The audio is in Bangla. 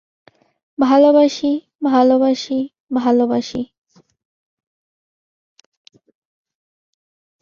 ভালবাসি, ভালবাসি, ভালবাসি।